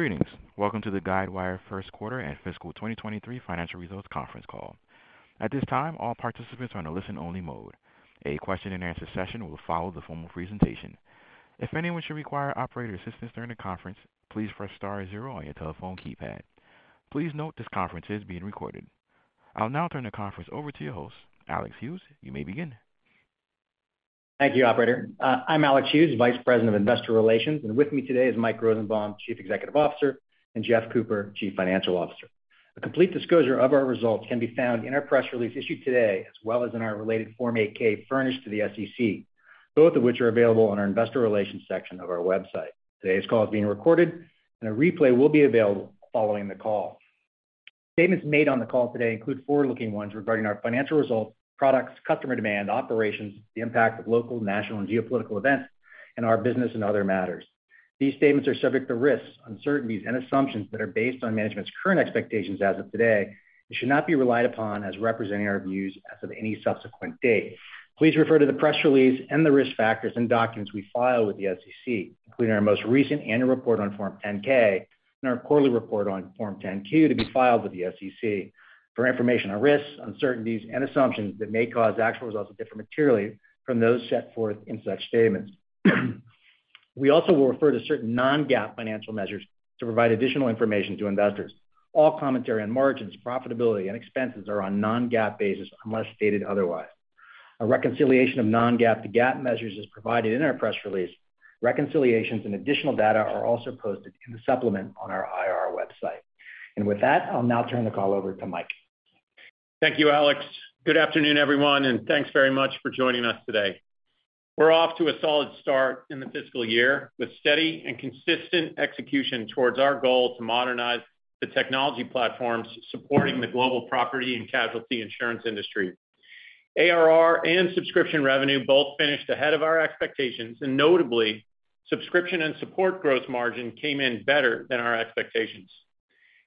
Greetings. Welcome to the Guidewire first quarter and fiscal 2023 financial results conference call. At this time, all participants are on a listen-only mode. A question-and-answer session will follow the formal presentation. If anyone should require operator assistance during the conference, please press star zero on your telephone keypad. Please note this conference is being recorded. I'll now turn the conference over to your host, Alex Hughes. You may begin. Thank you, operator. I'm Alex Hughes, Vice President of Investor Relations, and with me today is Mike Rosenbaum, Chief Executive Officer, and Jeff Cooper, Chief Financial Officer. A complete disclosure of our results can be found in our press release issued today, as well as in our related Form 8-K furnished to the SEC, both of which are available on our investor relations section of our website. Today's call is being recorded, and a replay will be available following the call. Statements made on the call today include forward-looking ones regarding our financial results, products, customer demand, operations, the impact of local, national, and geopolitical events, and our business and other matters. These statements are subject to risks, uncertainties, and assumptions that are based on management's current expectations as of today, and should not be relied upon as representing our views as of any subsequent date. Please refer to the press release and the risk factors and documents we file with the SEC, including our most recent annual report on Form 10-K and our quarterly report on Form 10-Q to be filed with the SEC, for information on risks, uncertainties, and assumptions that may cause actual results to differ materially from those set forth in such statements. We also will refer to certain non-GAAP financial measures to provide additional information to investors. All commentary on margins, profitability, and expenses are on non-GAAP basis, unless stated otherwise. A reconciliation of non-GAAP to GAAP measures is provided in our press release. Reconciliations and additional data are also posted in the supplement on our IR website. With that, I'll now turn the call over to Mike. Thank you, Alex. Good afternoon, everyone, thanks very much for joining us today. We're off to a solid start in the fiscal year, with steady and consistent execution towards our goal to modernize the technology platforms supporting the global property and casualty insurance industry. ARR and subscription revenue both finished ahead of our expectations, notably, subscription and support growth margin came in better than our expectations.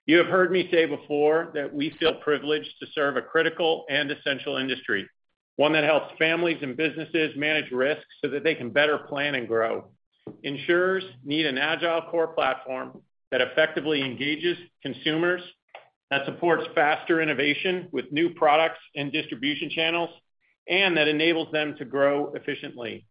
You have heard me say before that we feel privileged to serve a critical and essential industry, one that helps families and businesses manage risks so that they can better plan and grow. Insurers need an agile core platform that effectively engages consumers, that supports faster innovation with new products and distribution channels, and that enables them to grow efficiently.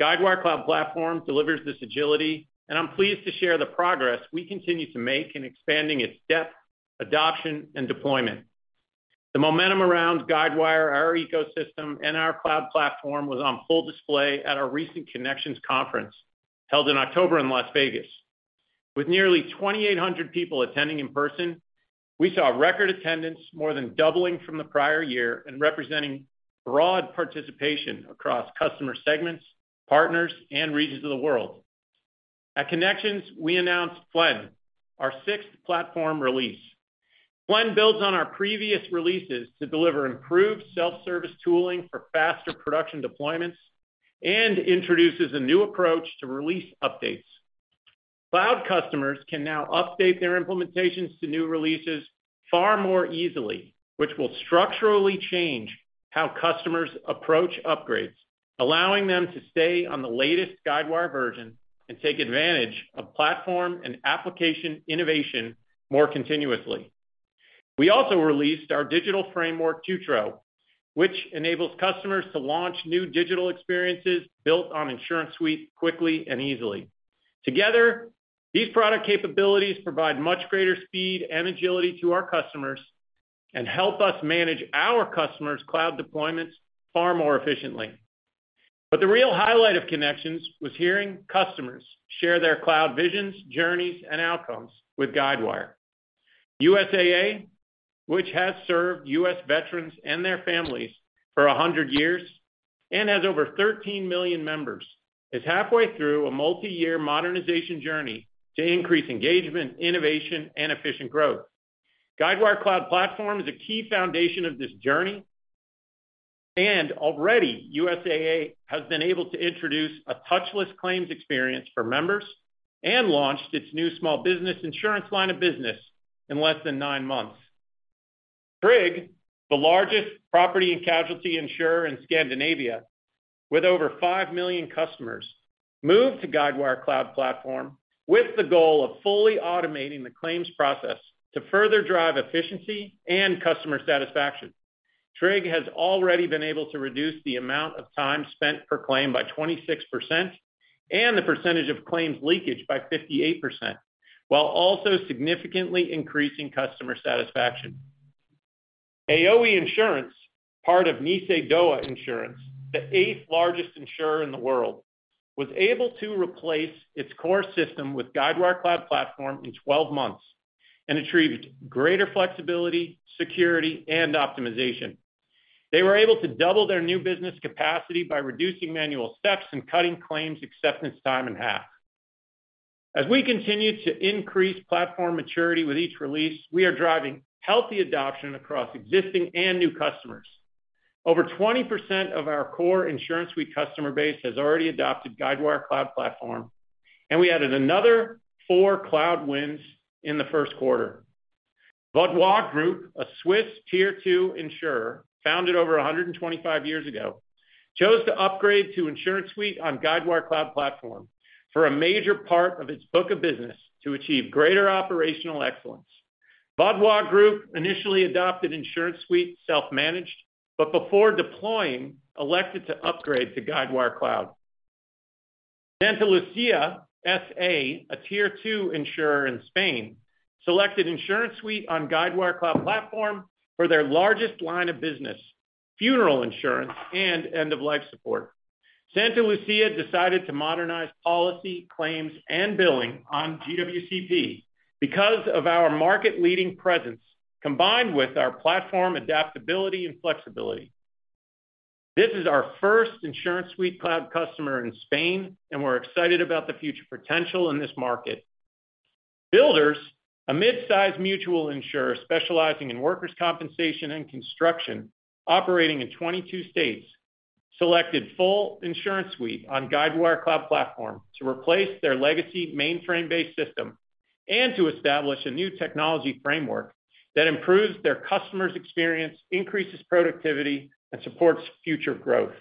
Guidewire Cloud Platform delivers this agility, and I'm pleased to share the progress we continue to make in expanding its depth, adoption, and deployment. The momentum around Guidewire, our ecosystem, and our cloud platform was on full display at our recent Connections conference held in October in Las Vegas. With nearly 2,800 people attending in person, we saw record attendance more than doubling from the prior year and representing broad participation across customer segments, partners, and regions of the world. At Connections, we announced Flaine, our sixth platform release. Flaine builds on our previous releases to deliver improved self-service tooling for faster production deployments and introduces a new approach to release updates. Cloud customers can now update their implementations to new releases far more easily, which will structurally change how customers approach upgrades, allowing them to stay on the latest Guidewire version and take advantage of platform and application innovation more continuously. We also released our digital framework, Jutro, which enables customers to launch new digital experiences built on InsuranceSuite quickly and easily. Together, these product capabilities provide much greater speed and agility to our customers and help us manage our customers' cloud deployments far more efficiently. The real highlight of Connections was hearing customers share their cloud visions, journeys, and outcomes with Guidewire. USAA, which has served U.S. veterans and their families for 100 years and has over 13 million members, is halfway through a multi-year modernization journey to increase engagement, innovation, and efficient growth. Guidewire Cloud Platform is a key foundation of this journey. Already, USAA has been able to introduce a touchless claims experience for members and launched its new small business insurance line of business in less than nine months. Tryg, the largest property and casualty insurer in Scandinavia with over 5 million customers, moved to Guidewire Cloud Platform with the goal of fully automating the claims process to further drive efficiency and customer satisfaction. Tryg has already been able to reduce the amount of time spent per claim by 26% and the percentage of claims leakage by 58%, while also significantly increasing customer satisfaction. Aioi Insurance, part of Nissay Dowa Insurance, the eight-largest insurer in the world, was able to replace its core system with Guidewire Cloud Platform in 12 months and achieved greater flexibility, security, and optimization. They were able to double their new business capacity by reducing manual steps and cutting claims acceptance time in half. As we continue to increase platform maturity with each release, we are driving healthy adoption across existing and new customers. Over 20% of our core InsuranceSuite customer base has already adopted Guidewire Cloud Platform, and we added another four cloud wins in the first quarter. Vaudoise Group, a Swiss Tier 2 insurer founded over 125 years ago, chose to upgrade to InsuranceSuite on Guidewire Cloud Platform for a major part of its book of business to achieve greater operational excellence. Vaudoise Group initially adopted InsuranceSuite self-managed, but before deploying, elected to upgrade to Guidewire Cloud. Santa Lucía S.A., a Tier 2 insurer in Spain, selected InsuranceSuite on Guidewire Cloud Platform for their largest line of business, funeral insurance and end-of-life support. Santa Lucía decided to modernize policy, claims, and billing on GWCP because of our market-leading presence, combined with our platform adaptability and flexibility. This is our first InsuranceSuite cloud customer in Spain, and we're excited about the future potential in this market. Builders, a mid-size mutual insurer specializing in workers' compensation and construction, operating in 22 states, selected full InsuranceSuite on Guidewire Cloud Platform to replace their legacy mainframe-based system and to establish a new technology framework that improves their customers' experience, increases productivity, and supports future growth.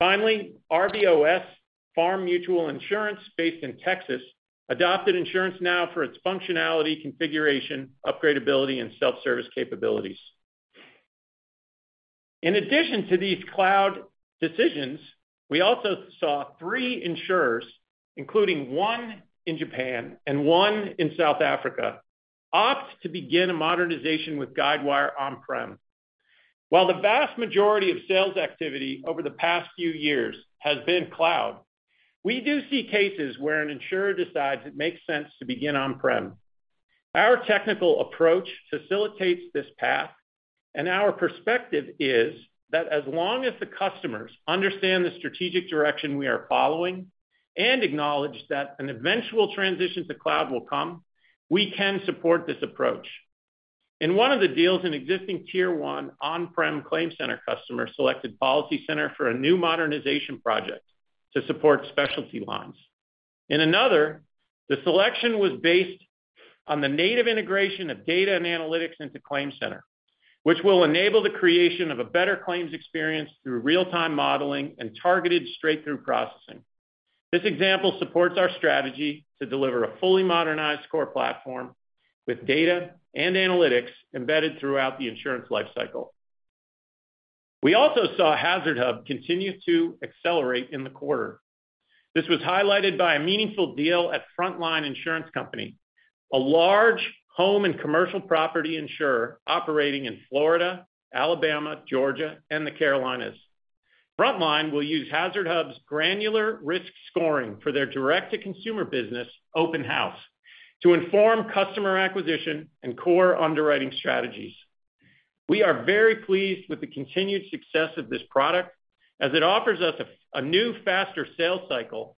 Finally, RBOS Farm Mutual Insurance, based in Texas, adopted InsuranceNow for its functionality, configuration, upgradability, and self-service capabilities. In addition to these cloud decisions, we also saw three insurers, including one in Japan and one in South Africa, opt to begin a modernization with Guidewire on-prem. While the vast majority of sales activity over the past few years has been cloud, we do see cases where an insurer decides it makes sense to begin on-prem. Our technical approach facilitates this path, and our perspective is that as long as the customers understand the strategic direction we are following and acknowledge that an eventual transition to cloud will come, we can support this approach. In one of the deals, an existing Tier 1 on-prem ClaimCenter customer selected PolicyCenter for a new modernization project to support specialty lines. In another, the selection was based on the native integration of data and analytics into ClaimCenter, which will enable the creation of a better claims experience through real-time modeling and targeted straight-through processing. This example supports our strategy to deliver a fully modernized core platform with data and analytics embedded throughout the insurance life cycle. We also saw HazardHub continue to accelerate in the quarter. This was highlighted by a meaningful deal at Frontline Insurance Company, a large home and commercial property insurer operating in Florida, Alabama, Georgia, and the Carolinas. Frontline will use HazardHub's granular risk scoring for their direct-to-consumer business, Open House, to inform customer acquisition and core underwriting strategies. We are very pleased with the continued success of this product, as it offers us a new, faster sales cycle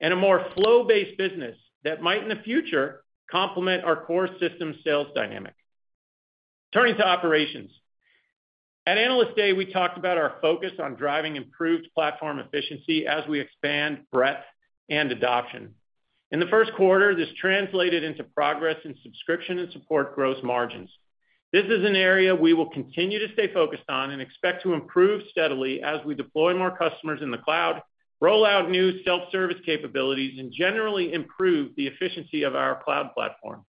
and a more flow-based business that might, in the future, complement our core system sales dynamic. Turning to operations. At Analyst Day, we talked about our focus on driving improved platform efficiency as we expand breadth and adoption. In the first quarter, this translated into progress in subscription and support gross margins. This is an area we will continue to stay focused on and expect to improve steadily as we deploy more customers in the cloud, roll out new self-service capabilities, and generally improve the efficiency of our cloud platform.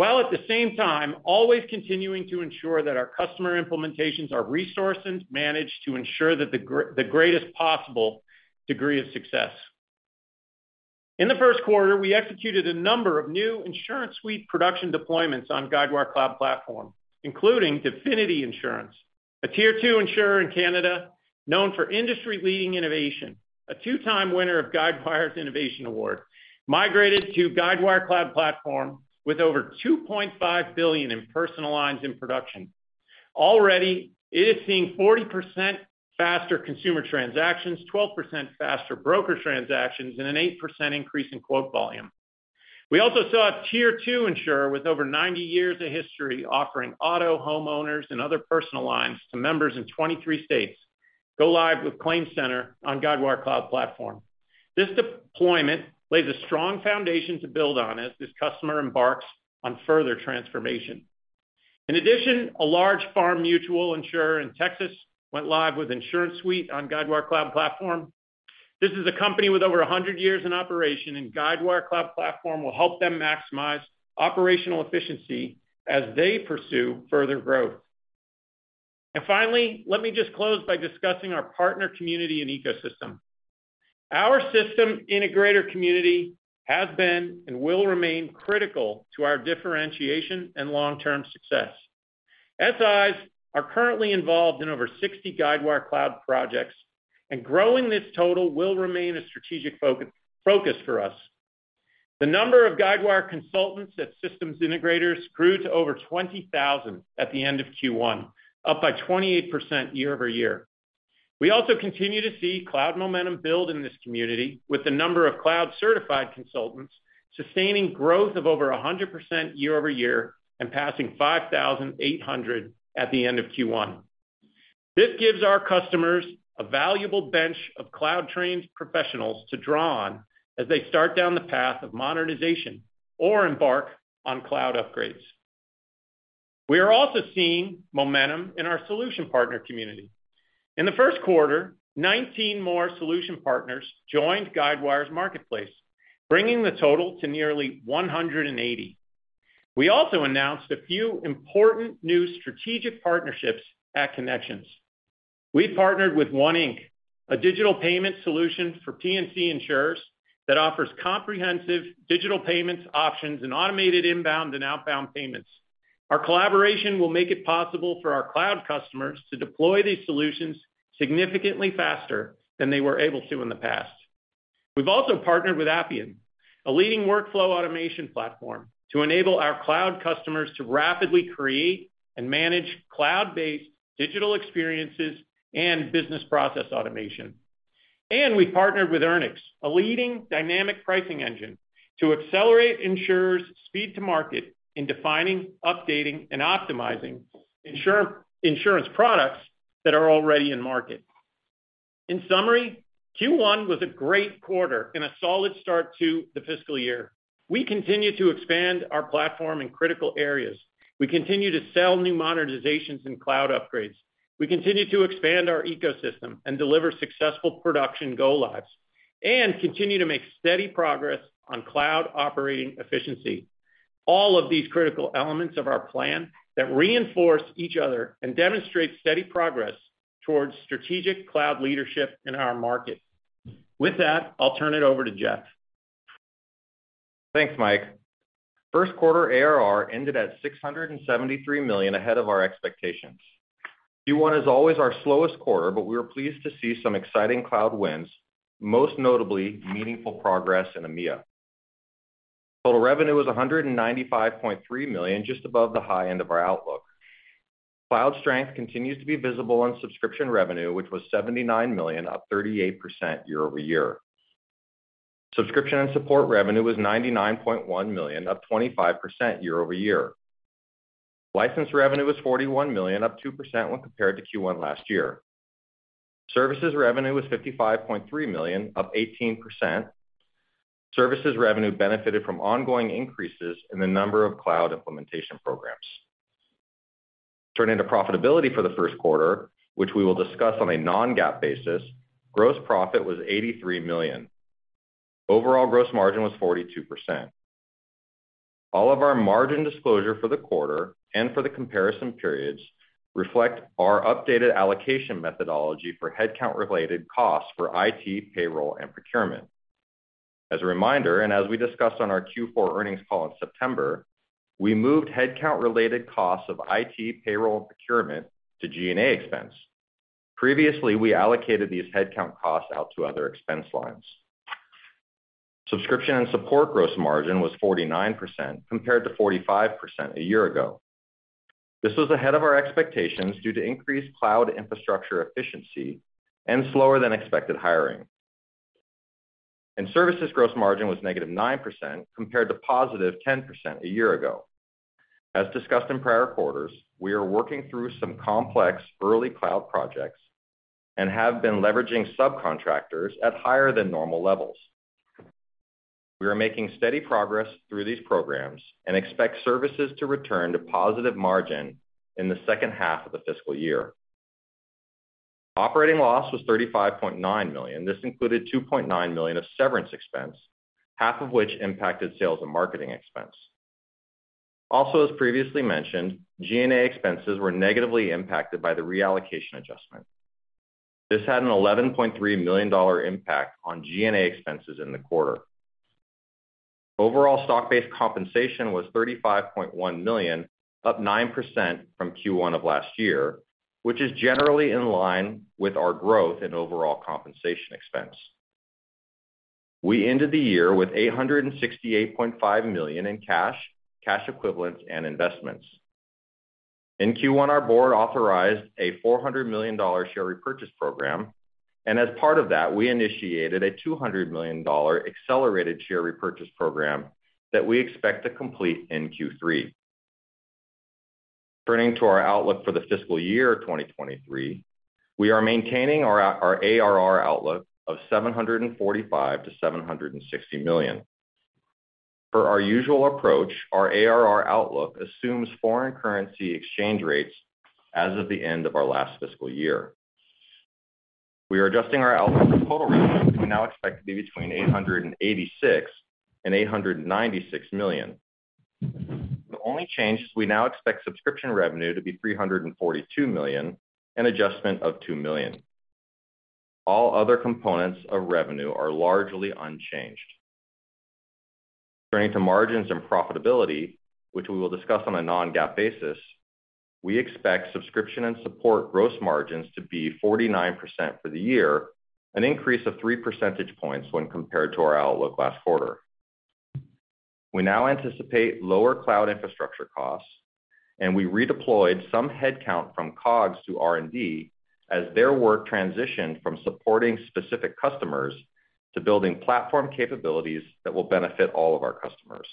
At the same time, always continuing to ensure that our customer implementations are resourced and managed to ensure that the greatest possible degree of success. In the first quarter, we executed a number of new InsuranceSuite production deployments on Guidewire Cloud Platform, including Definity Insurance, a Tier 2 insurer in Canada known for industry-leading innovation, a two-time winner of Guidewire's Innovation Award, migrated to Guidewire Cloud Platform with over $2.5 billion in personal lines in production. Already, it is seeing 40% faster consumer transactions, 12% faster broker transactions, and an 8% increase in quote volume. We also saw a Tier 2 insurer with over 90 years of history offering auto, homeowners, and other personal lines to members in 23 states go live with ClaimCenter on Guidewire Cloud Platform. This deployment lays a strong foundation to build on as this customer embarks on further transformation. A large farm mutual insurer in Texas went live with InsuranceSuite on Guidewire Cloud Platform. This is a company with over 100 years in operation. Guidewire Cloud Platform will help them maximize operational efficiency as they pursue further growth. Finally, let me just close by discussing our partner community and ecosystem. Our system integrator community has been and will remain critical to our differentiation and long-term success. SIs are currently involved in over 60 Guidewire Cloud projects. Growing this total will remain a strategic focus for us. The number of Guidewire consultants at systems integrators grew to over 20,000 at the end of Q1, up by 28% year-over-year. We also continue to see cloud momentum build in this community with the number of cloud-certified consultants sustaining growth of over 100% year-over-year and passing 5,800 at the end of Q1. This gives our customers a valuable bench of cloud-trained professionals to draw on as they start down the path of modernization or embark on cloud upgrades. We are also seeing momentum in our solution partner community. In the first quarter, 19 more solution partners joined Guidewire's Marketplace, bringing the total to nearly 180. We also announced a few important new strategic partnerships at Connections. We partnered with One Inc, a digital payment solution for P&C insurers that offers comprehensive digital payments options and automated inbound and outbound payments. Our collaboration will make it possible for our cloud customers to deploy these solutions significantly faster than they were able to in the past. We've also partnered with Appian, a leading workflow automation platform, to enable our cloud customers to rapidly create and manage cloud-based digital experiences and business process automation. We partnered with Earnix, a leading dynamic pricing engine, to accelerate insurers' speed to market in defining, updating, and optimizing insurance products that are already in market. In summary, Q1 was a great quarter and a solid start to the fiscal year. We continue to expand our platform in critical areas. We continue to sell new modernizations and cloud upgrades. We continue to expand our ecosystem and deliver successful production go-lives and continue to make steady progress on cloud operating efficiency. All of these critical elements of our plan that reinforce each other and demonstrate steady progress towards strategic cloud leadership in our market. With that, I'll turn it over to Jeff. Thanks, Mike. First quarter ARR ended at $673 million ahead of our expectations. Q1 is always our slowest quarter. We were pleased to see some exciting cloud wins, most notably meaningful progress in EMEA. Total revenue was $195.3 million, just above the high end of our outlook. Cloud strength continues to be visible on subscription revenue, which was $79 million, up 38% year-over-year. Subscription and support revenue was $99.1 million, up 25% year-over-year. License revenue was $41 million, up 2% when compared to Q1 last year. Services revenue was $55.3 million, up 18%. Services revenue benefited from ongoing increases in the number of cloud implementation programs. Turning to profitability for the first quarter, which we will discuss on a non-GAAP basis, gross profit was $83 million. Overall gross margin was 42%. All of our margin disclosure for the quarter and for the comparison periods reflect our updated allocation methodology for headcount-related costs for IT, payroll, and procurement. As a reminder, and as we discussed on our Q4 earnings call in September, we moved headcount-related costs of IT, payroll, and procurement to G&A expense. Previously, we allocated these headcount costs out to other expense lines. Subscription and support gross margin was 49%, compared to 45% a year ago. This was ahead of our expectations due to increased cloud infrastructure efficiency and slower than expected hiring. Services gross margin was -9%, compared to +10% a year ago. As discussed in prior quarters, we are working through some complex early cloud projects and have been leveraging subcontractors at higher than normal levels. We are making steady progress through these programs and expect services to return to positive margin in the second half of the fiscal year. Operating loss was $35.9 million. This included $2.9 million of severance expense, half of which impacted sales and marketing expense. Also, as previously mentioned, G&A expenses were negatively impacted by the reallocation adjustment. This had an $11.3 million impact on G&A expenses in the quarter. Overall stock-based compensation was $35.1 million, up 9% from Q1 of last year, which is generally in line with our growth in overall compensation expense. We ended the year with $868.5 million in cash equivalents, and investments. In Q1, our board authorized a $400 million share repurchase program, and as part of that, we initiated a $200 million accelerated share repurchase program that we expect to complete in Q3. Turning to our outlook for the fiscal year 2023, we are maintaining our ARR outlook of $745 million-$760 million. Per our usual approach, our ARR outlook assumes foreign currency exchange rates as of the end of our last fiscal year. We are adjusting our outlook for total revenue, which we now expect to be between $886 million and $896 million. The only change is we now expect subscription revenue to be $342 million, an adjustment of $2 million. All other components of revenue are largely unchanged. Turning to margins and profitability, which we will discuss on a non-GAAP basis, we expect subscription and support gross margins to be 49% for the year, an increase of 3 percentage points when compared to our outlook last quarter. We now anticipate lower cloud infrastructure costs, and we redeployed some headcount from COGS to R&D as their work transitioned from supporting specific customers to building platform capabilities that will benefit all of our customers.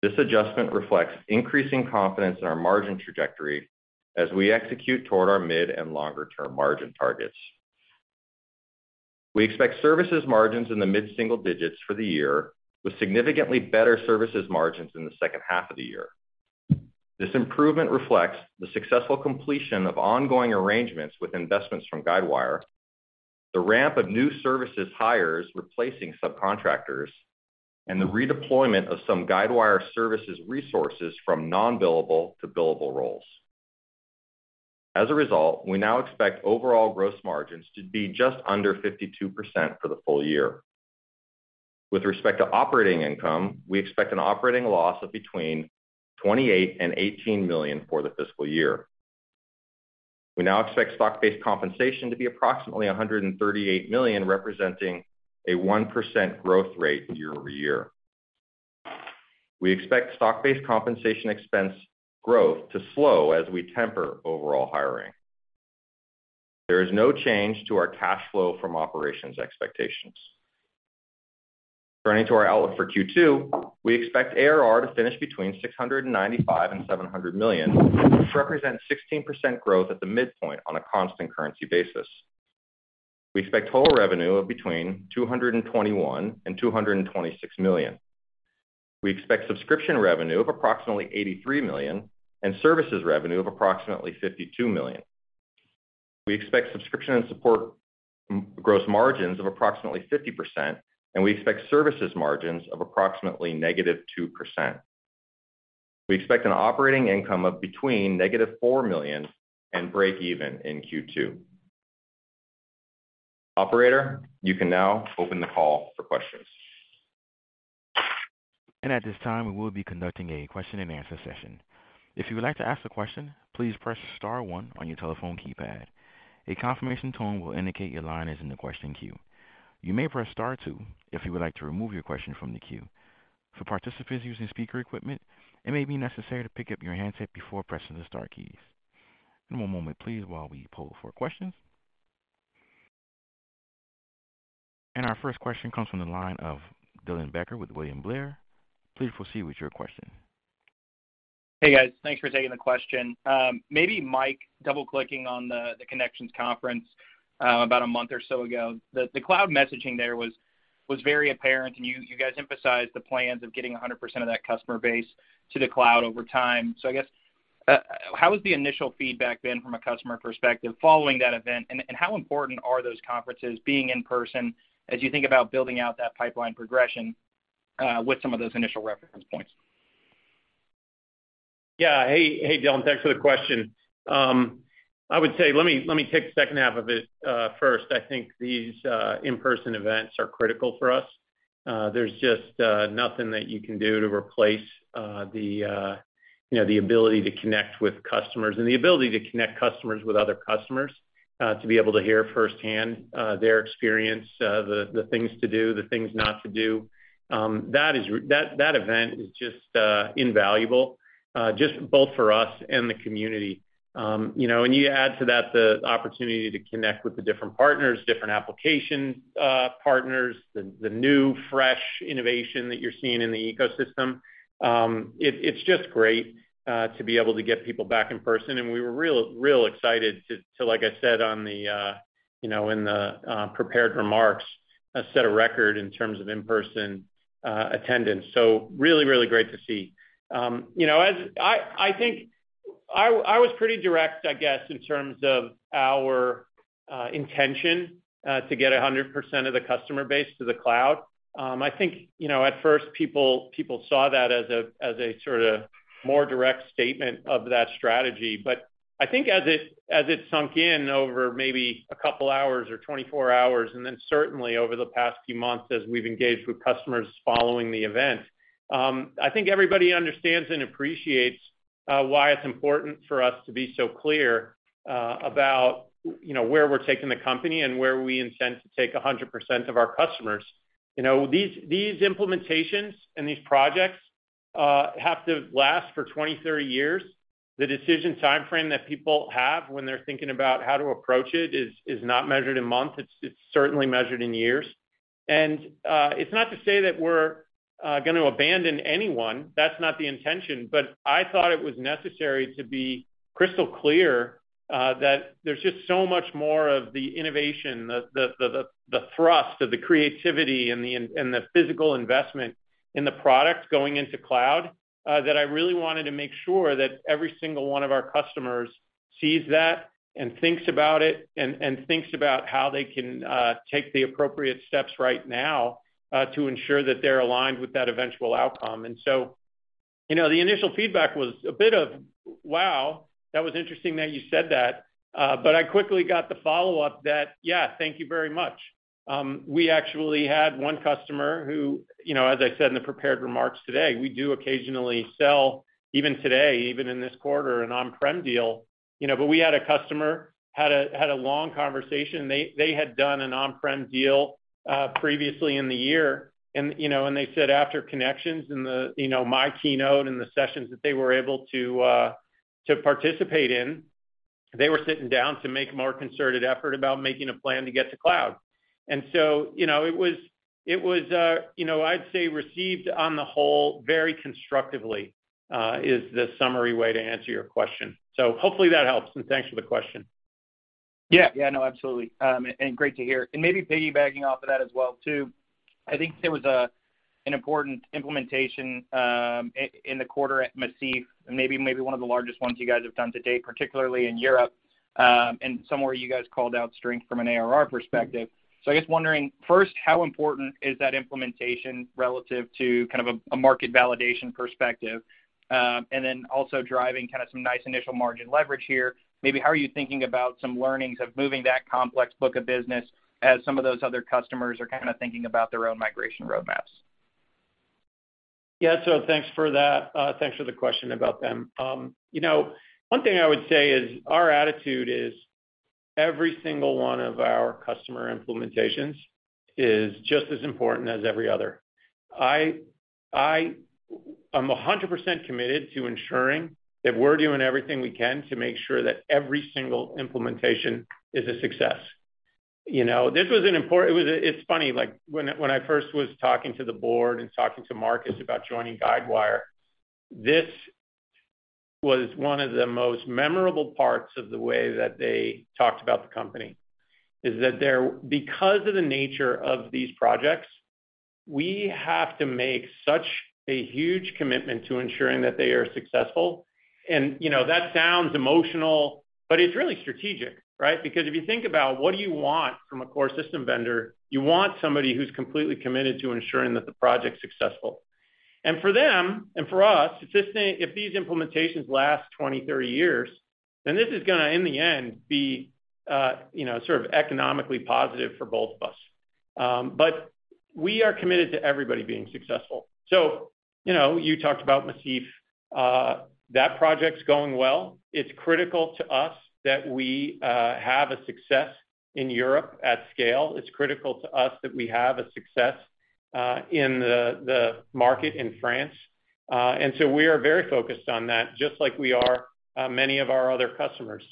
This adjustment reflects increasing confidence in our margin trajectory as we execute toward our mid and longer term margin targets. We expect services margins in the mid-single digits for the year, with significantly better services margins in the second half of the year. This improvement reflects the successful completion of ongoing arrangements with investments from Guidewire, the ramp of new services hires replacing subcontractors, and the redeployment of some Guidewire services resources from non-billable to billable roles. As a result, we now expect overall gross margins to be just under 52% for the full year. With respect to operating income, we expect an operating loss of between $28 million and $18 million for the fiscal year. We now expect stock-based compensation to be approximately $138 million, representing a 1% growth rate year-over-year. We expect stock-based compensation expense growth to slow as we temper overall hiring. There is no change to our cash flow from operations expectations. Turning to our outlook for Q2, we expect ARR to finish between $695 million and $700 million, which represents 16% growth at the midpoint on a constant currency basis. We expect total revenue of between $221 million and $226 million. We expect subscription revenue of approximately $83 million and services revenue of approximately $52 million. We expect subscription and support gross margins of approximately 50%, and we expect services margins of approximately negative 2%. We expect an operating income of between negative $4 million and breakeven in Q2. Operator, you can now open the call for questions. At this time, we will be conducting a question-and-answer session. If you would like to ask a question, please press star one on your telephone keypad. A confirmation tone will indicate your line is in the question queue. You may press star two if you would like to remove your question from the queue. For participants using speaker equipment, it may be necessary to pick up your handset before pressing the star keys. One moment please while we poll for questions. Our first question comes from the line of Dylan Becker with William Blair. Please proceed with your question. Hey, guys. Thanks for taking the question. maybe Mike double-clicking on the Connections conference, about a month or so ago. The cloud messaging there was very apparent, and you guys emphasized the plans of getting 100% of that customer base to the cloud over time. I guess, how has the initial feedback been from a customer perspective following that event? How important are those conferences being in person as you think about building out that pipeline progression, with some of those initial reference points? Hey, Dylan. Thanks for the question. I would say let me take the second half of it first. I think these in-person events are critical for us. There's just nothing that you can do to replace the, you know, the ability to connect with customers and the ability to connect customers with other customers, to be able to hear firsthand their experience, the things to do, the things not to do. That event is just invaluable, just both for us and the community. You know, you add to that the opportunity to connect with the different partners, different application partners, the new fresh innovation that you're seeing in the ecosystem. It's just great to be able to get people back in person, and we were real excited to like I said on the, you know, in the prepared remarks, set a record in terms of in-person attendance. Really great to see. You know, as I think I was pretty direct, I guess, in terms of our intention to get 100% of the customer base to the cloud. I think, you know, at first people saw that as a sorta more direct statement of that strategy. I think as it sunk in over maybe two hours or 24 hours, and then certainly over the past few months as we've engaged with customers following the event, I think everybody understands and appreciates why it's important for us to be so clear about, you know, where we're taking the company and where we intend to take 100% of our customers. You know, these implementations and these projects have to last for 20, 30 years. The decision timeframe that people have when they're thinking about how to approach it is not measured in months, it's certainly measured in years. It's not to say that we're gonna abandon anyone. That's not the intention. I thought it was necessary to be crystal clear that there's just so much more of the innovation, the thrust of the creativity and the physical investment in the product going into cloud, that I really wanted to make sure that every single one of our customers sees that and thinks about it and thinks about how they can take the appropriate steps right now to ensure that they're aligned with that eventual outcome. You know, the initial feedback was a bit of, "Wow, that was interesting that you said that." I quickly got the follow-up that, "Yeah, thank you very much." We actually had one customer who, you know, as I said in the prepared remarks today, we do occasionally sell, even today, even in this quarter, an on-prem deal. You know, we had a customer, had a long conversation. They had done an on-prem deal previously in the year. You know, they said after Connections and the, you know, my keynote and the sessions that they were able to participate in. They were sitting down to make a more concerted effort about making a plan to get to cloud. You know, it was, you know, I'd say received on the whole very constructively is the summary way to answer your question. Hopefully that helps, and thanks for the question. Yeah. Yeah, no, absolutely. Great to hear. Maybe piggybacking off of that as well too, I think there was an important implementation in the quarter at Macif and maybe one of the largest ones you guys have done to date, particularly in Europe. Somewhere you guys called out strength from an ARR perspective. I guess wondering, first, how important is that implementation relative to kind of a market validation perspective? Then also driving kind of some nice initial margin leverage here. Maybe how are you thinking about some learnings of moving that complex book of business as some of those other customers are kind of thinking about their own migration roadmaps? Thanks for that. Thanks for the question about them. You know, one thing I would say is our attitude is every single one of our customer implementations is just as important as every other. I'm 100% committed to ensuring that we're doing everything we can to make sure that every single implementation is a success. You know, this was important. It's funny, like, when I first was talking to the board and talking to Marcus about joining Guidewire, this was one of the most memorable parts of the way that they talked about the company, because of the nature of these projects, we have to make such a huge commitment to ensuring that they are successful. You know, that sounds emotional, but it's really strategic, right? If you think about what do you want from a core system vendor, you want somebody who's completely committed to ensuring that the project's successful. For them, and for us, if this thing, if these implementations last 20, 30 years, then this is gonna, in the end, be, you know, sort of economically positive for both of us. We are committed to everybody being successful. You know, you talked about Macif. That project's going well. It's critical to us that we have a success in Europe at scale. It's critical to us that we have a success in the market in France. We are very focused on that, just like we are many of our other customers.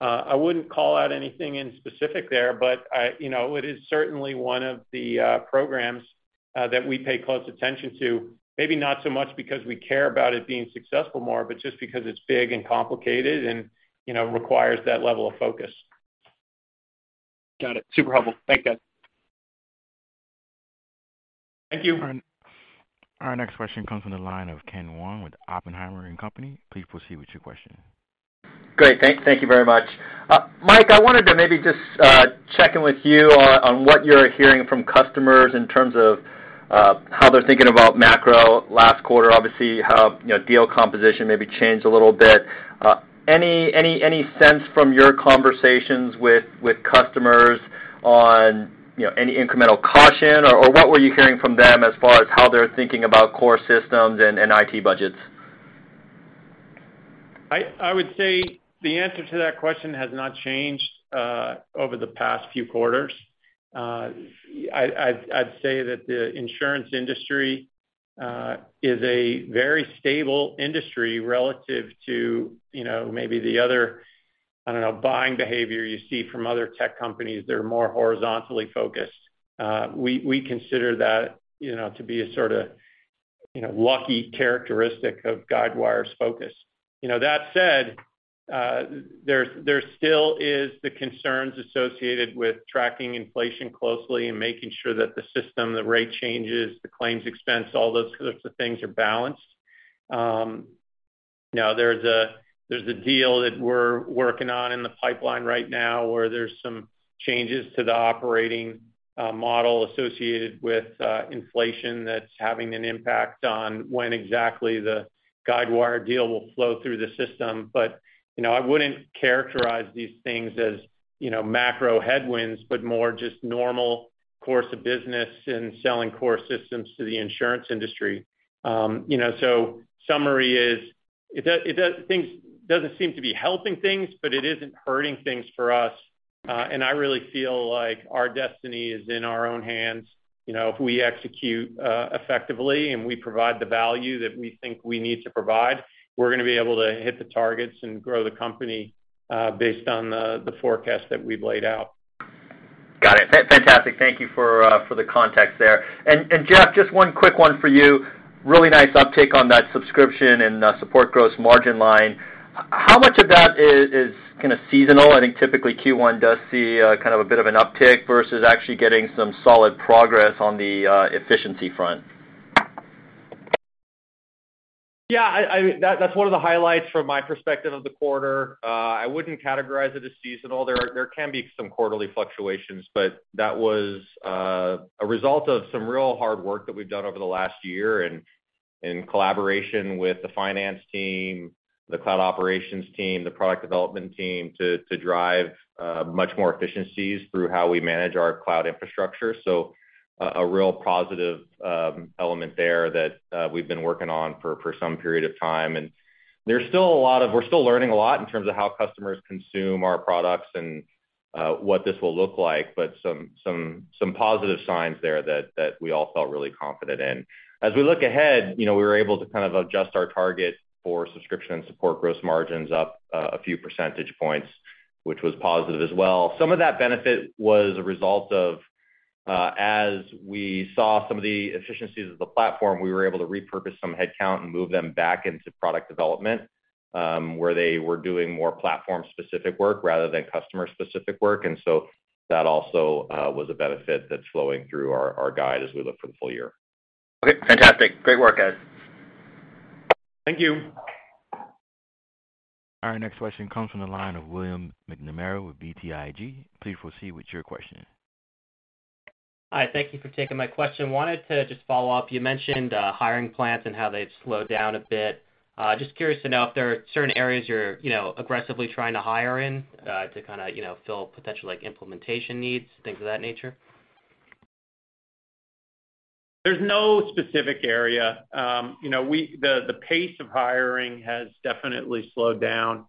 I wouldn't call out anything in specific there, but I, you know, it is certainly one of the programs that we pay close attention to. Maybe not so much because we care about it being successful more, but just because it's big and complicated and, you know, requires that level of focus. Got it. Super helpful. Thanks, guys. Thank you. Our next question comes from the line of Ken Wong with Oppenheimer & Co. Please proceed with your question. Great. Thank you very much. Mike, I wanted to maybe just check in with you on what you're hearing from customers in terms of how they're thinking about macro last quarter, obviously, how, you know, deal composition maybe changed a little bit. Any sense from your conversations with customers on, you know, any incremental caution? What were you hearing from them as far as how they're thinking about core systems and IT budgets? I would say the answer to that question has not changed over the past few quarters. I'd say that the insurance industry is a very stable industry relative to, you know, maybe the other, I don't know, buying behavior you see from other tech companies that are more horizontally focused. We consider that, you know, to be a sorta, you know, lucky characteristic of Guidewire's focus. You know, that said, there still is the concerns associated with tracking inflation closely and making sure that the system, the rate changes, the claims expense, all those sorts of things are balanced. You know, there's a, there's a deal that we're working on in the pipeline right now where there's some changes to the operating model associated with inflation that's having an impact on when exactly the Guidewire deal will flow through the system. You know, I wouldn't characterize these things as, you know, macro headwinds, but more just normal course of business in selling core systems to the insurance industry. You know, so summary is it doesn't seem to be helping things, but it isn't hurting things for us. I really feel like our destiny is in our own hands. You know, if we execute effectively and we provide the value that we think we need to provide, we're gonna be able to hit the targets and grow the company based on the forecast that we've laid out. Got it. Fantastic. Thank you for the context there. Jeff, just one quick one for you. Really nice uptick on that subscription and support gross margin line. How much of that is kinda seasonal? I think typically Q1 does see kind of a bit of an uptick versus actually getting some solid progress on the efficiency front. Yeah, that's one of the highlights from my perspective of the quarter. I wouldn't categorize it as seasonal. There can be some quarterly fluctuations, but that was a result of some real hard work that we've done over the last year in collaboration with the finance team, the cloud operations team, the product development team to drive much more efficiencies through how we manage our cloud infrastructure. A real positive element there that we've been working on for some period of time. We're still learning a lot in terms of how customers consume our products and what this will look like, but some positive signs there that we all felt really confident in. As we look ahead, you know, we were able to kind of adjust our target for subscription and support gross margins up, a few percentage points, which was positive as well. Some of that benefit was a result of, as we saw some of the efficiencies of the platform, we were able to repurpose some headcount and move them back into product development, where they were doing more platform-specific work rather than customer-specific work. That also was a benefit that's flowing through our guide as we look for the full year. Okay, fantastic. Great work, guys. Thank you. Our next question comes from the line of William McNamara with BTIG. Please proceed with your question. Hi. Thank you for taking my question. Wanted to just follow up. You mentioned hiring plans and how they've slowed down a bit. Just curious to know if there are certain areas you're, you know, aggressively trying to hire in, to kinda, you know, fill potential like implementation needs, things of that nature? There's no specific area. You know, the pace of hiring has definitely slowed down.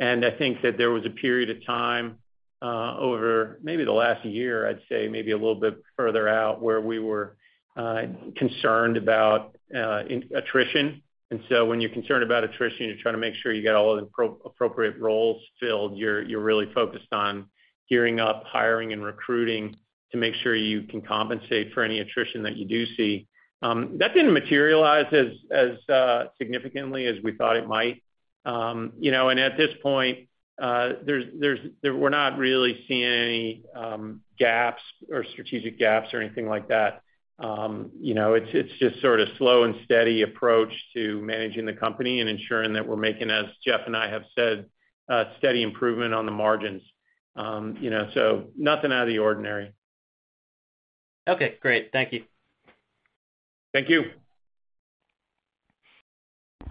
I think that there was a period of time over maybe the last year, I'd say maybe a little bit further out, where we were concerned about attrition. When you're concerned about attrition, you're trying to make sure you get all of the appropriate roles filled. You're, you're really focused on gearing up hiring and recruiting to make sure you can compensate for any attrition that you do see. That didn't materialize as significantly as we thought it might. You know, at this point, there's, we're not really seeing any gaps or strategic gaps or anything like that. You know, it's just sort of slow and steady approach to managing the company and ensuring that we're making, as Jeff and I have said, a steady improvement on the margins. You know, nothing out of the ordinary. Okay, great. Thank you. Thank you.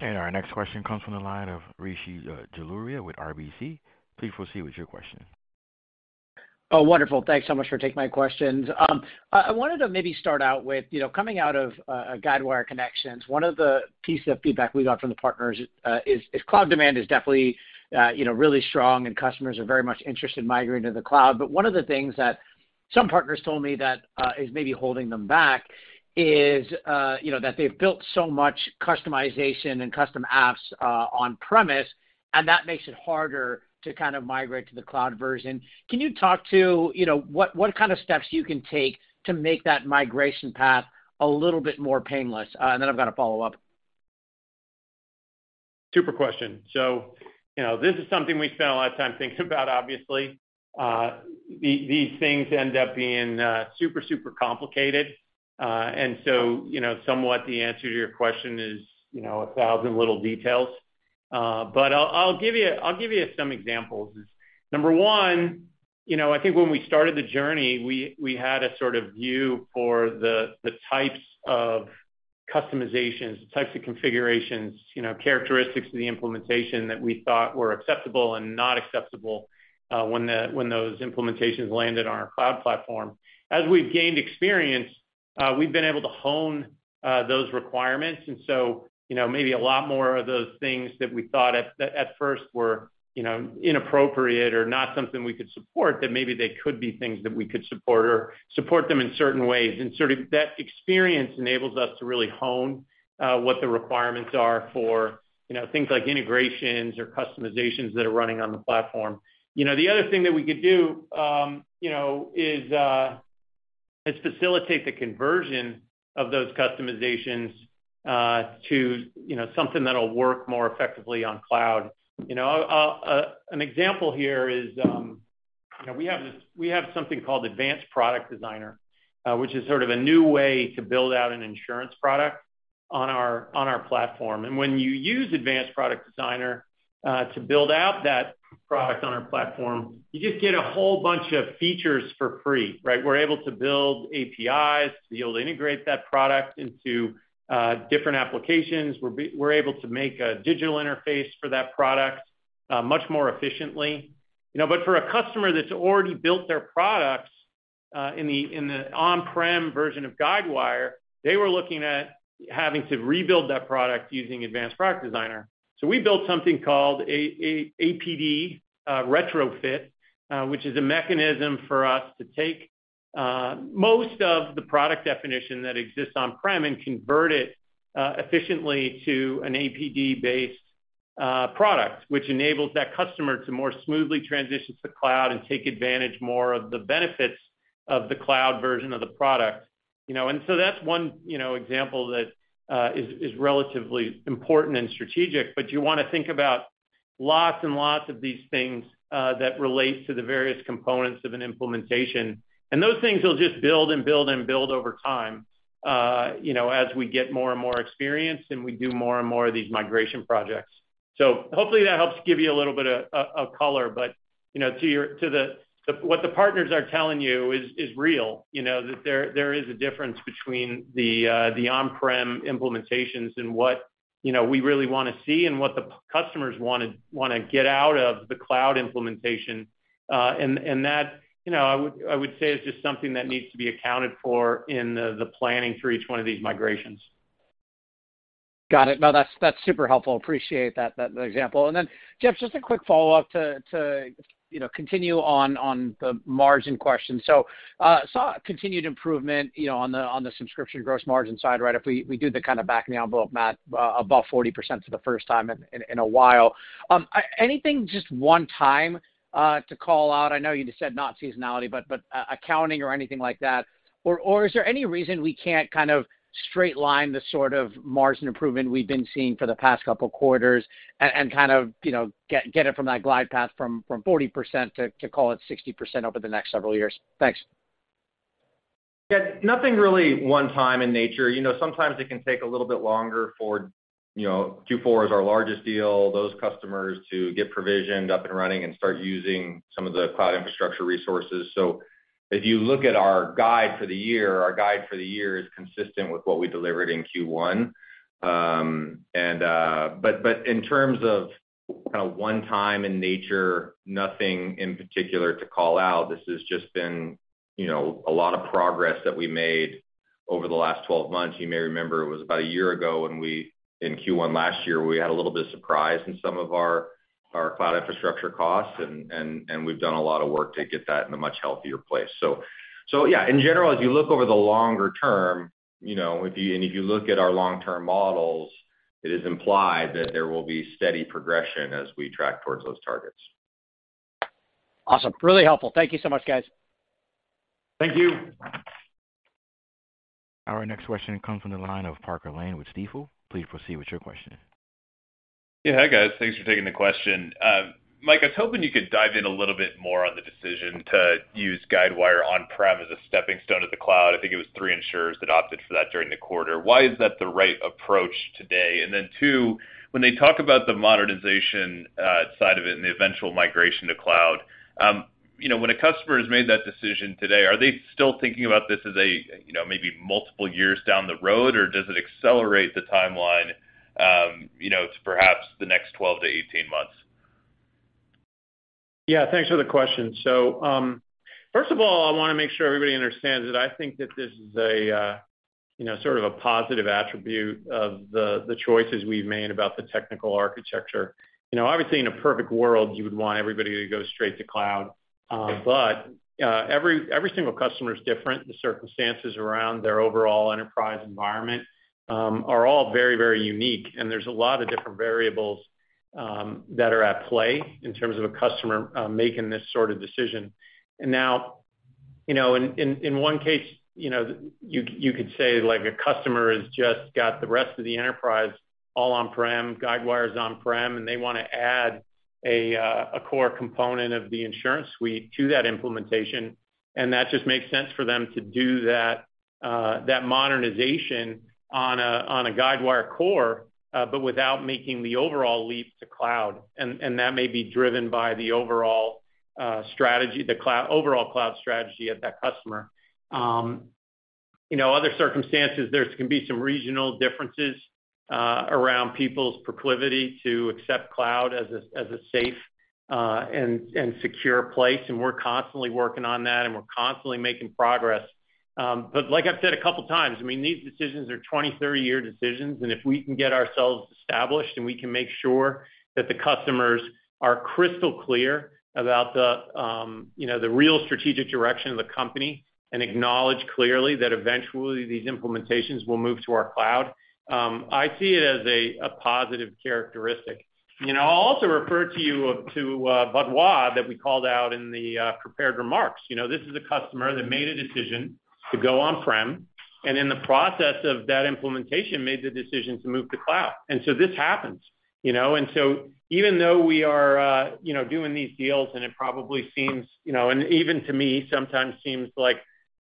Our next question comes from the line of Rishi Jaluria with RBC. Please proceed with your question. Oh, wonderful. Thanks so much for taking my questions. I wanted to maybe start out with, you know, coming out of Guidewire Connections, one of the pieces of feedback we got from the partners, is cloud demand is definitely, you know, really strong and customers are very much interested in migrating to the cloud. One of the things that some partners told me that is maybe holding them back is, you know, that they've built so much customization and custom apps on premise, and that makes it harder to kind of migrate to the cloud version. Can you talk to, you know, what kind of steps you can take to make that migration path a little bit more painless? Then I've got a follow-up. Super question. You know, this is something we spent a lot of time thinking about, obviously. These things end up being super complicated. You know, somewhat the answer to your question is, you know, 1,000 little details. I'll give you, I'll give you some examples. Number 1, you know, I think when we started the journey, we had a sort of view for the types of customizations, the types of configurations, you know, characteristics of the implementation that we thought were acceptable and not acceptable, when those implementations landed on our cloud platform. As we've gained experience, we've been able to hone those requirements. You know, maybe a lot more of those things that we thought at first were, you know, inappropriate or not something we could support, that maybe they could be things that we could support or support them in certain ways. Sort of that experience enables us to really hone what the requirements are for, you know, things like integrations or customizations that are running on the platform. You know, the other thing that we could do, you know, is facilitate the conversion of those customizations to, you know, something that'll work more effectively on cloud. You know, an example here is, you know, we have something called Advanced Product Designer, which is sort of a new way to build out an insurance product on our, on our platform. When you use Advanced Product Designer to build out that product on our platform, you just get a whole bunch of features for free, right? We're able to build APIs. We're able to integrate that product into different applications. We're able to make a digital interface for that product much more efficiently. You know, for a customer that's already built their products in the on-prem version of Guidewire, they were looking at having to rebuild that product using Advanced Product Designer. We built something called APD retrofit, which is a mechanism for us to take most of the product definition that exists on-prem and convert it efficiently to an APD-based product, which enables that customer to more smoothly transition to cloud and take advantage more of the benefits of the cloud version of the product. You know, that's one, you know, example that is relatively important and strategic. You wanna think about lots and lots of these things that relate to the various components of an implementation. Those things will just build and build and build over time, you know, as we get more and more experience and we do more and more of these migration projects. Hopefully that helps give you a little bit of color. You know, what the partners are telling you is real, you know, that there is a difference between the on-prem implementations and what, you know, we really wanna see and what the customers wanna get out of the cloud implementation. That, you know, I would say is just something that needs to be accounted for in the planning for each one of these migrations. Got it. No, that's super helpful. Appreciate that example. Then Jeff, just a quick follow-up to, you know, continue on the margin question. Saw continued improvement, you know, on the, on the subscription gross margin side, right? If we do the kind of back of the envelope math above 40% for the first time in a while. Anything just one time to call out? I know you just said not seasonality, but accounting or anything like that. Is there any reason we can't kind of straight line the sort of margin improvement we've been seeing for the past couple quarters and kind of, you know, get it from that glide path from 40% to call it 60% over the next several years? Thanks. Yeah. Nothing really one time in nature. You know, sometimes it can take a little bit longer for, you know, Q4 is our largest deal, those customers to get provisioned up and running and start using some of the cloud infrastructure resources. If you look at our guide for the year, our guide for the year is consistent with what we delivered in Q1. In terms of kind of one time in nature, nothing in particular to call out. This has just been, you know, a lot of progress that we made over the last 12 months. You may remember it was about a year ago when in Q1 last year, we had a little bit of surprise in some of our cloud infrastructure costs, and we've done a lot of work to get that in a much healthier place. Yeah, in general, as you look over the longer term, you know, if you look at our long-term models, it is implied that there will be steady progression as we track towards those targets. Awesome. Really helpful. Thank you so much, guys. Thank you. Our next question comes from the line of Parker Lane with Stifel. Please proceed with your question. Yeah. Hi, guys. Thanks for taking the question. Mike, I was hoping you could dive in a little bit more on the decision to use Guidewire on-prem as a stepping stone to the cloud. I think it was three insurers that opted for that during the quarter. Why is that the right approach today? Two, when they talk about the modernization side of it and the eventual migration to cloud, you know, when a customer has made that decision today, are they still thinking about this as a, you know, maybe multiple years down the road, or does it accelerate the timeline, you know, to perhaps the next 12-18 months? Yeah. Thanks for the question. First of all, I wanna make sure everybody understands that I think that this is a, you know, sort of a positive attribute of the choices we've made about the technical architecture. You know, obviously, in a perfect world, you would want everybody to go straight to cloud. Every single customer is different. The circumstances around their overall enterprise environment, are all very, very unique. There's a lot of different variables that are at play in terms of a customer making this sort of decision. Now, you know, in one case, you could say like a customer has just got the rest of the enterprise all on-prem, Guidewire is on-prem, and they wanna add a core component of the InsuranceSuite to that implementation. That just makes sense for them to do that modernization on a Guidewire core, but without making the overall leap to cloud. That may be driven by the overall strategy, the overall cloud strategy of that customer. You know, other circumstances, there's can be some regional differences around people's proclivity to accept cloud as a safe and secure place, and we're constantly working on that, and we're constantly making progress. Like I've said a couple times, I mean, these decisions are 20, 30-year decisions. If we can get ourselves established and we can make sure that the customers are crystal clear about the, you know, the real strategic direction of the company and acknowledge clearly that eventually these implementations will move to our cloud, I see it as a positive characteristic. You know, I'll also refer to you to Vaudoise that we called out in the prepared remarks. You know, this is a customer that made a decision to go on-prem, and in the process of that implementation, made the decision to move to cloud. So this happens, you know. Even though we are, you know, doing these deals and it probably seems, you know, and even to me sometimes seems like,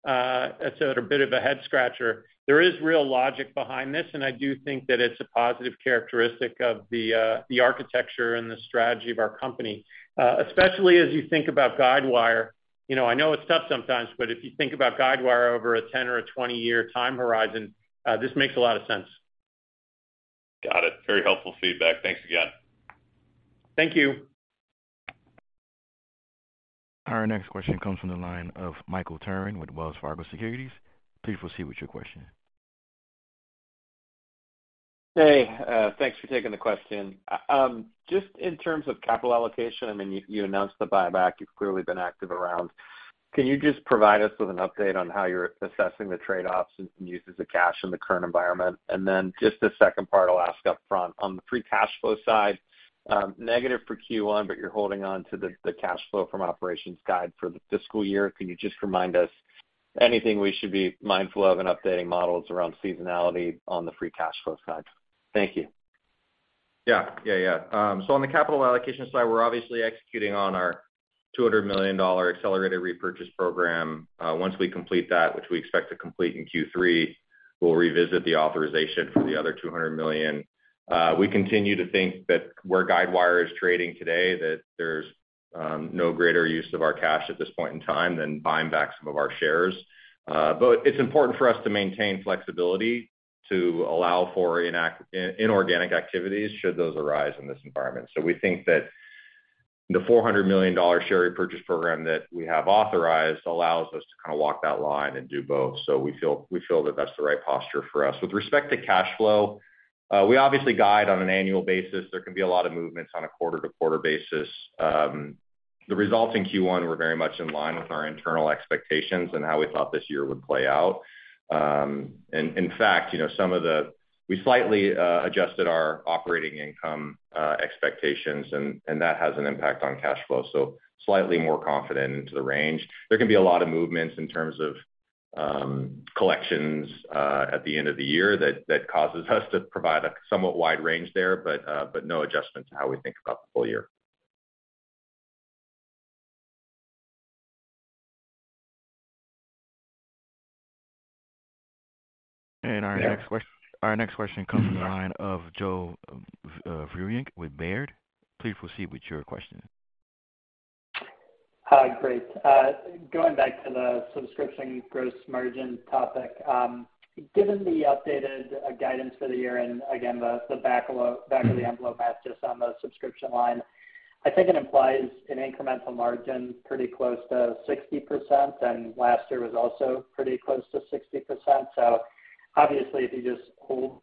sort of a bit of a head scratcher, there is real logic behind this, and I do think that it's a positive characteristic of the architecture and the strategy of our company. Especially as you think about Guidewire. You know, I know it's tough sometimes, but if you think about Guidewire over a 10 or a 20-year time horizon, this makes a lot of sense. Got it. Very helpful feedback. Thanks again. Thank you. Our next question comes from the line of Michael Turrin with Wells Fargo Securities. Please proceed with your question. Hey, thanks for taking the question. Just in terms of capital allocation, I mean, you announced the buyback. You've clearly been active around. Can you just provide us with an update on how you're assessing the trade-offs and uses of cash in the current environment? Just the second part I'll ask upfront. On the free cash flow side, negative for Q1, but you're holding on to the cash flow from operations guide for the fiscal year. Can you just remind us anything we should be mindful of in updating models around seasonality on the free cash flow side? Thank you. Yeah. Yeah. Yeah. On the capital allocation side, we're obviously executing on our $200 million accelerated repurchase program. Once we complete that, which we expect to complete in Q3, we'll revisit the authorization for the other $200 million. We continue to think that where Guidewire is trading today, that there's no greater use of our cash at this point in time than buying back some of our shares. But it's important for us to maintain flexibility to allow for inorganic activities should those arise in this environment. We think that the $400 million share repurchase program that we have authorized allows us to kind of walk that line and do both. We feel that that's the right posture for us. With respect to cash flow, we obviously guide on an annual basis. There can be a lot of movements on a quarter-to-quarter basis. The results in Q1 were very much in line with our internal expectations and how we thought this year would play out. We slightly adjusted our operating income expectations and that has an impact on cash flow, so slightly more confident into the range. There can be a lot of movements in terms of collections at the end of the year that causes us to provide a somewhat wide range there, no adjustment to how we think about the full year. Our next question comes from the line of Joe Vruwink with Baird. Please proceed with your question. Hi. Great. going back to the subscription gross margin topic, given the updated guidance for the year and again the back of the envelope math just on the subscription line, I think it implies an incremental margin pretty close to 60%, and last year was also pretty close to 60%. Obviously, if you just hold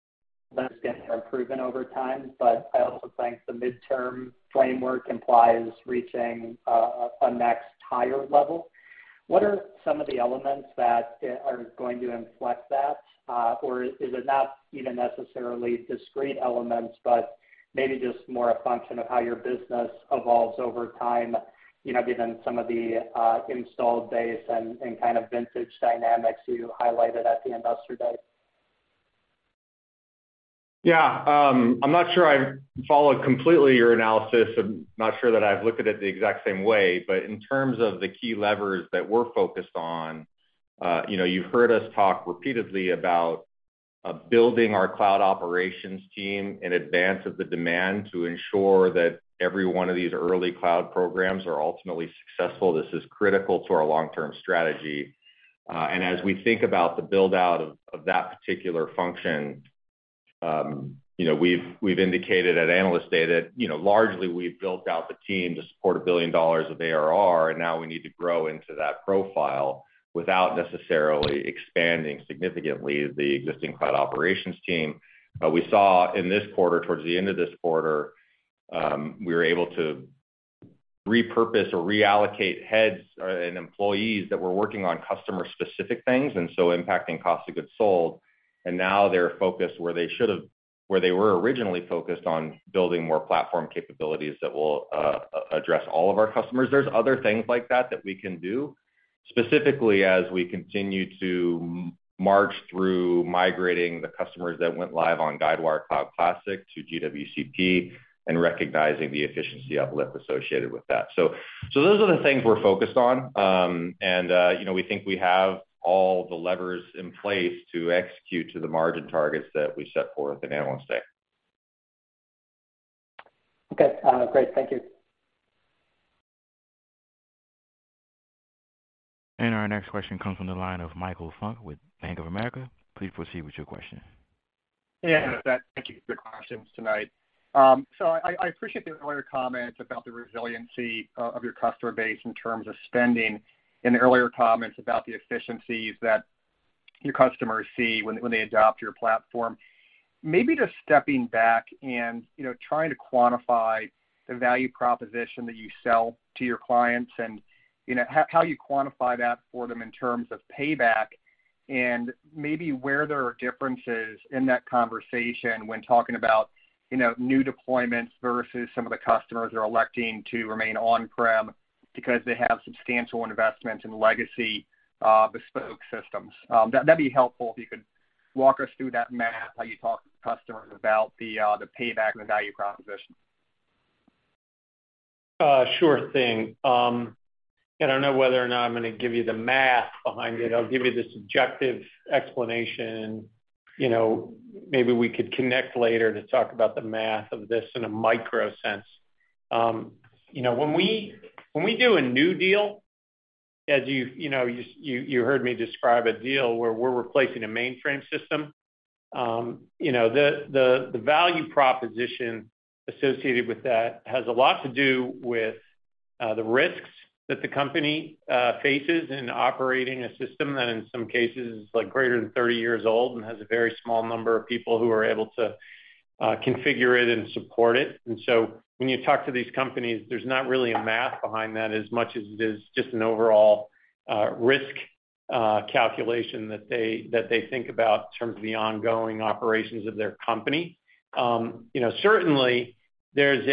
those getting improvement over time, but I also think the midterm framework implies reaching a next higher level. What are some of the elements that are going to inflect that? or is it not even necessarily discrete elements but maybe just more a function of how your business evolves over time, you know, given some of the installed base and kind of vintage dynamics you highlighted at the Investor Day? Yeah. I'm not sure I followed completely your analysis. I'm not sure that I've looked at it the exact same way. In terms of the key levers that we're focused on, you know, you've heard us talk repeatedly about building our cloud operations team in advance of the demand to ensure that every one of these early cloud programs are ultimately successful. This is critical to our long-term strategy. As we think about the build-out of that particular function, you know, we've indicated at Analyst Day that, you know, largely we've built out the team to support $1 billion of ARR, and now we need to grow into that profile without necessarily expanding significantly the existing cloud operations team. We saw in this quarter, towards the end of this quarter, we were able to repurpose or reallocate heads and employees that were working on customer-specific things and so impacting cost of goods sold. Now they're focused where they were originally focused on building more platform capabilities that will address all of our customers. There's other things like that that we can do, specifically as we continue to march through migrating the customers that went live on Guidewire Cloud Classic to GWCP and recognizing the efficiency uplift associated with that. Those are the things we're focused on. You know, we think we have all the levers in place to execute to the margin targets that we set forth at Analyst Day. Okay. Great. Thank you. Our next question comes from the line of Michael Funk with Bank of America. Please proceed with your question. Yeah. Thank you for the questions tonight. I appreciate the earlier comments about the resiliency of your customer base in terms of spending and the earlier comments about the efficiencies that your customers see when they adopt your platform. Maybe just stepping back and, you know, trying to quantify the value proposition that you sell to your clients and, you know, how you quantify that for them in terms of payback and maybe where there are differences in that conversation when talking about, you know, new deployments versus some of the customers are electing to remain on-prem because they have substantial investments in legacy, bespoke systems. That'd be helpful if you could walk us through that math, how you talk to customers about the payback and the value proposition. Sure thing. I don't know whether or not I'm gonna give you the math behind it. I'll give you the subjective explanation. You know, maybe we could connect later to talk about the math of this in a micro sense. You know, when we, when we do a new deal, as you've, you know, you heard me describe a deal where we're replacing a mainframe system, you know, the, the value proposition associated with that has a lot to do with the risks that the company faces in operating a system that in some cases is, like, greater than 30 years old and has a very small number of people who are able to configure it and support it. When you talk to these companies, there's not really a math behind that as much as it is just an overall risk calculation that they, that they think about in terms of the ongoing operations of their company. You know, certainly there's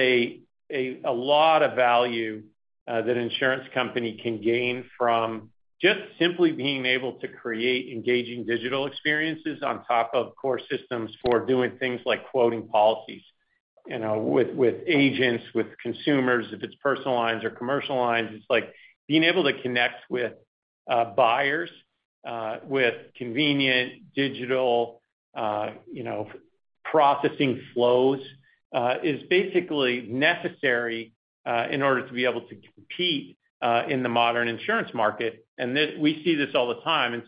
a lot of value that an insurance company can gain from just simply being able to create engaging digital experiences on top of core systems for doing things like quoting policies, you know, with agents, with consumers, if it's personal lines or commercial lines. It's like being able to connect with buyers with convenient digital, you know, processing flows, is basically necessary in order to be able to compete in the modern insurance market. We see this all the time.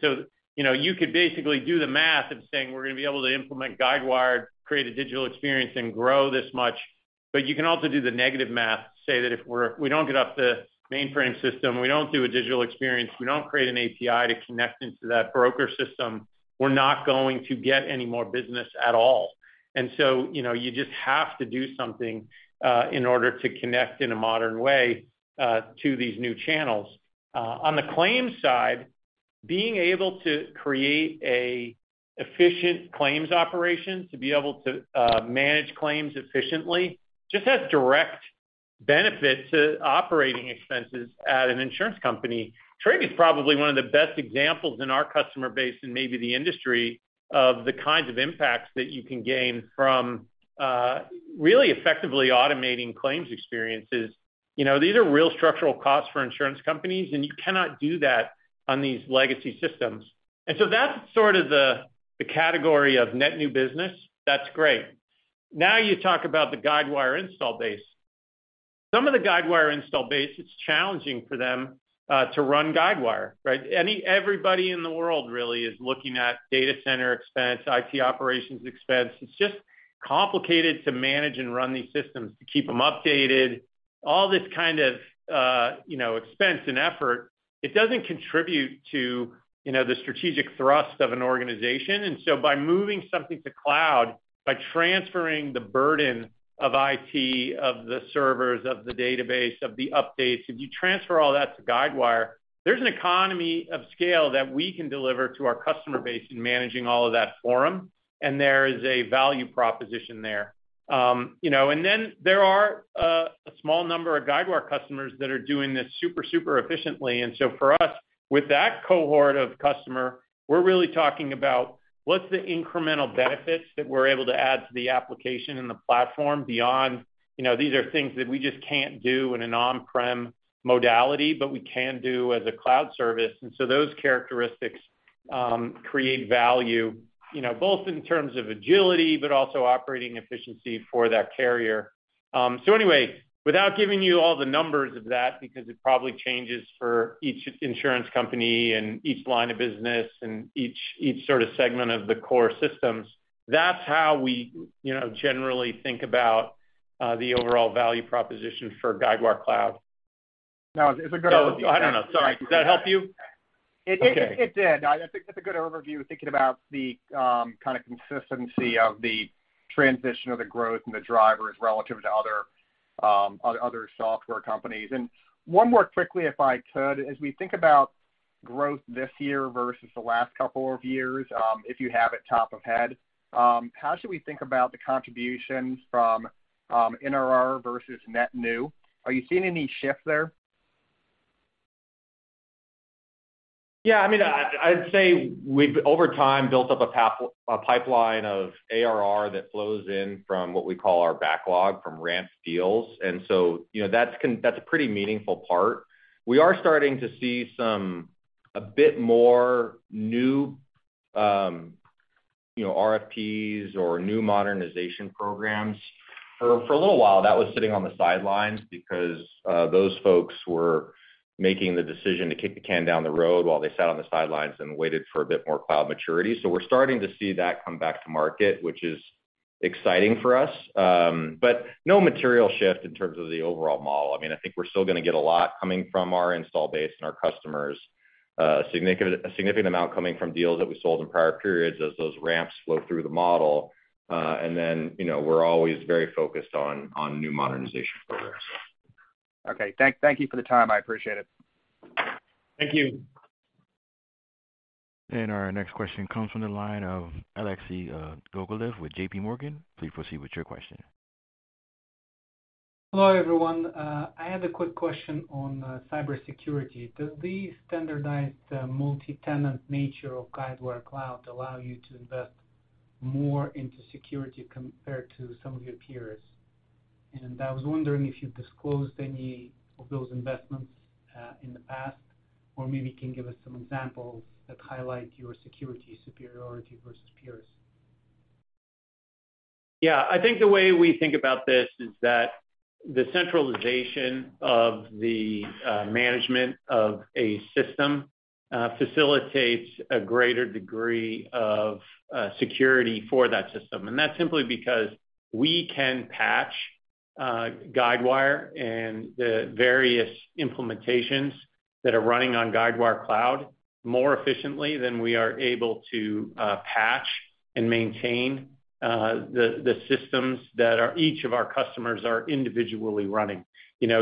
You know, you could basically do the math of saying, "We're gonna be able to implement Guidewire, create a digital experience, and grow this much. But you can also do the negative math, say that if we don't get up the mainframe system, we don't do a digital experience, we don't create an API to connect into that broker system, we're not going to get any more business at all. You know, you just have to do something in order to connect in a modern way to these new channels. On the claims side, being able to create a efficient claims operation, to be able to manage claims efficiently just has direct benefit to operating expenses at an insurance company. Tryg is probably one of the best examples in our customer base and maybe the industry of the kinds of impacts that you can gain from really effectively automating claims experiences. You know, these are real structural costs for insurance companies, and you cannot do that on these legacy systems. So that's sort of the category of net new business. That's great. You talk about the Guidewire install base. Some of the Guidewire install base, it's challenging for them to run Guidewire, right? Everybody in the world really is looking at data center expense, IT operations expense. It's just complicated to manage and run these systems, to keep them updated. All this kind of, you know, expense and effort, it doesn't contribute to, you know, the strategic thrust of an organization. By moving something to cloud, by transferring the burden of IT, of the servers, of the database, of the updates, if you transfer all that to Guidewire, there's an economy of scale that we can deliver to our customer base in managing all of that for them. There is a value proposition there. you know, and then there are a small number of Guidewire customers that are doing this super efficiently. For us, with that cohort of customer, we're really talking about what's the incremental benefits that we're able to add to the application and the platform beyond, you know, these are things that we just can't do in an on-prem modality, but we can do as a cloud service. Those characteristics create value, you know, both in terms of agility, but also operating efficiency for that carrier. Anyway, without giving you all the numbers of that because it probably changes for each insurance company and each line of business and each sort of segment of the core systems, that's how we, you know, generally think about the overall value proposition for Guidewire Cloud. No, it's a good overview. I don't know. Sorry. Does that help you? It did. Okay. I think that's a good overview, thinking about the kind of consistency of the transition of the growth and the drivers relative to other software companies. One more quickly, if I could. As we think about growth this year versus the last couple of years, if you have it top of head, how should we think about the contributions from NRR versus net new? Are you seeing any shift there? Yeah, I mean, I'd say we've over time built up a pipeline of ARR that flows in from what we call our backlog from ramp deals. you know, that's a pretty meaningful part. We are starting to see some, a bit more new, you know, RFPs or new modernization programs. For a little while, that was sitting on the sidelines because those folks were making the decision to kick the can down the road while they sat on the sidelines and waited for a bit more cloud maturity. We're starting to see that come back to market, which is exciting for us. No material shift in terms of the overall model. I mean, I think we're still gonna get a lot coming from our install base and our customers, a significant amount coming from deals that we sold in prior periods as those ramps flow through the model. Then, you know, we're always very focused on new modernization programs. Okay. Thank you for the time. I appreciate it. Thank you. Our next question comes from the line of Alexei Gogolev with JPMorgan. Please proceed with your question. Hello, everyone. I have a quick question on cybersecurity. Does the standardized multitenant nature of Guidewire Cloud allow you to invest more into security compared to some of your peers? I was wondering if you've disclosed any of those investments, in the past, or maybe can give us some examples that highlight your security superiority versus peers. Yeah. I think the way we think about this is that the centralization of the management of a system facilitates a greater degree of security for that system. That's simply because we can patch Guidewire and the various implementations that are running on Guidewire Cloud more efficiently than we are able to patch and maintain the systems that each of our customers are individually running. You know,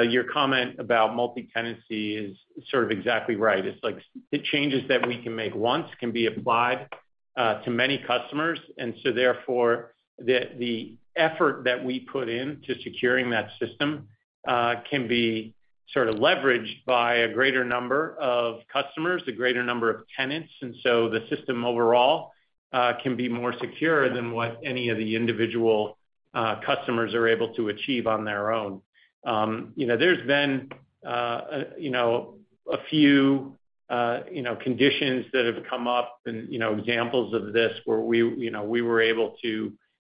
your comment about multi-tenancy is sort of exactly right. It's like the changes that we can make once can be applied to many customers. Therefore, the effort that we put in to securing that system can be sort of leveraged by a greater number of customers, a greater number of tenants. The system overall can be more secure than what any of the individual customers are able to achieve on their own. You know, there's been a few conditions that have come up and, you know, examples of this where we, you know, we were able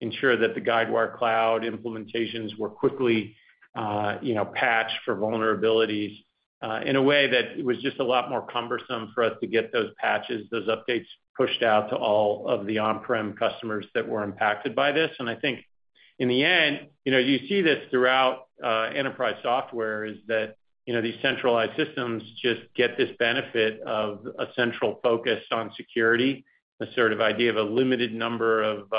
to ensure that the Guidewire Cloud implementations were quickly, you know, patched for vulnerabilities in a way that it was just a lot more cumbersome for us to get those patches, those updates pushed out to all of the on-prem customers that were impacted by this. I think in the end, you know, you see this throughout enterprise software is that, you know, these centralized systems just get this benefit of a central focus on security, this sort of idea of a limited number of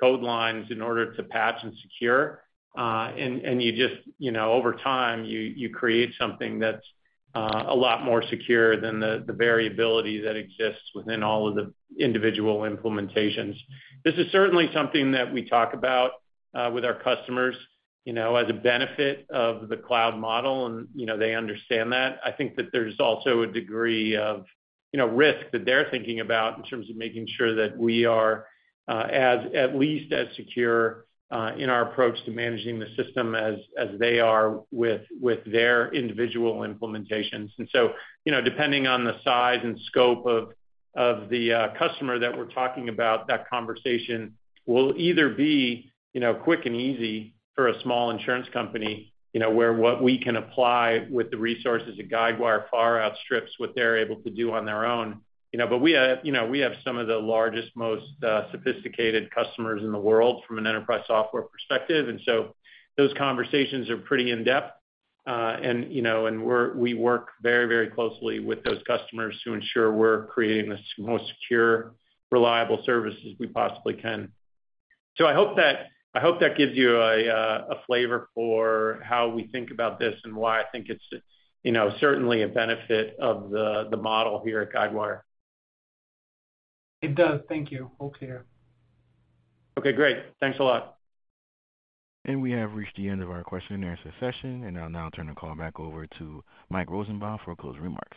code lines in order to patch and secure. You just, you know, over time, you create something that's a lot more secure than the variability that exists within all of the individual implementations. This is certainly something that we talk about with our customers, you know, as a benefit of the cloud model and, you know, they understand that. I think that there's also a degree of, you know, risk that they're thinking about in terms of making sure that we are at least as secure in our approach to managing the system as they are with their individual implementations. Depending, you know, on the size and scope of the customer that we're talking about, that conversation will either be, you know, quick and easy for a small insurance company, you know, where what we can apply with the resources at Guidewire far outstrips what they're able to do on their own. You know, we have, you know, we have some of the largest, most sophisticated customers in the world from an enterprise software perspective. Those conversations are pretty in-depth. You know, we work very, very closely with those customers to ensure we're creating the most secure, reliable service as we possibly can. I hope that gives you a flavor for how we think about this and why I think it's, you know, certainly a benefit of the model here at Guidewire. It does. Thank you. All clear. Okay, great. Thanks a lot. We have reached the end of our question and answer session. I'll now turn the call back over to Mike Rosenbaum for closing remarks.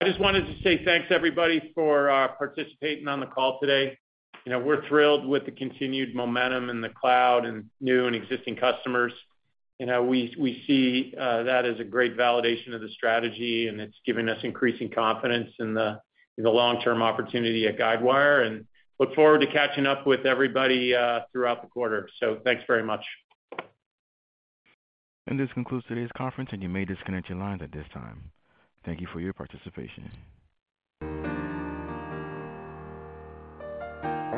I just wanted to say thanks, everybody, for participating on the call today. You know, we're thrilled with the continued momentum in the cloud and new and existing customers. You know, we see that as a great validation of the strategy, and it's given us increasing confidence in the long-term opportunity at Guidewire. Look forward to catching up with everybody throughout the quarter. Thanks very much. This concludes today's conference, and you may disconnect your lines at this time. Thank you for your participation. All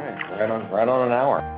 right. Right on an hour.